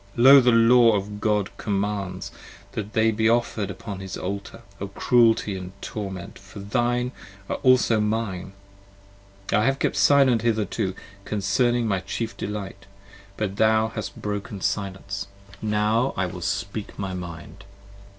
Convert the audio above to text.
lo the Law of God commands That they be offered upon his Altar: O cruelty & torment 40 For thine are also mine! I have kept silent hitherto, Concerning my chief delight: but thou hast broken silence; 8 Now I will speak my mind!